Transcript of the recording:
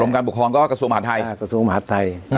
กรรมการปกครองก็กระทรวมอาทธิศเนินภาษณ์ไทย